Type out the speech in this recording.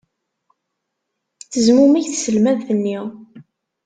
Tezmumeg tselmadt-nni.